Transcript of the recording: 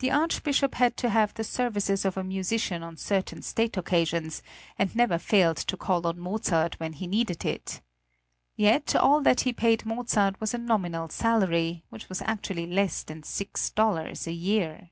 The Archbishop had to have the services of a musician on certain state occasions, and never failed to call on Mozart when he needed him. Yet all that he paid Mozart was a nominal salary, which was actually less than six dollars a year.